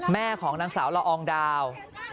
แม่ของนางสาวละอองดาว